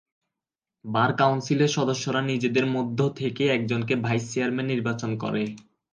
বার কাউন্সিলের সদস্যরা নিজেদের মধ্য থেকে একজনকে ভাইস চেয়ারম্যান নির্বাচন করে।